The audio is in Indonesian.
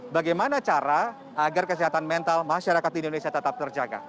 bagaimana cara agar kesehatan mental masyarakat di indonesia tetap terjaga